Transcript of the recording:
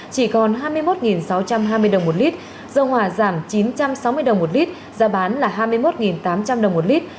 đồng một lít chỉ còn hai mươi một sáu trăm hai mươi đồng một lít dầu hòa giảm chín trăm sáu mươi đồng một lít giá bán là hai mươi một tám trăm linh đồng một lít